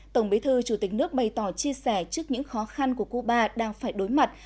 tổng bí thư chủ tịch nước bày tỏ chia sẻ trước những khó khăn của cuba đang phải đối mặt